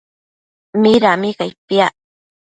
Midami cai piac?